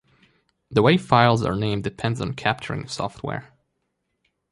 The way files are named depends on capturing software.